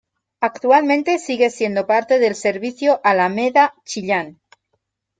Actualmente sigue siendo parte del servicio ""Alameda-Chillan"".